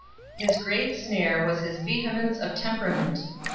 His great snare was his vehemence of temperament.